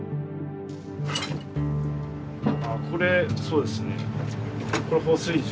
これそうですね